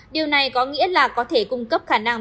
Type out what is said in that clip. điều này có nghĩa là có thể cung cấp khả năng